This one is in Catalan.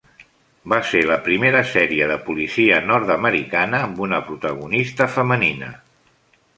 Va ser la primera sèrie de policia nord-americana amb una protagonista femenina.